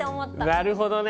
なるほどね。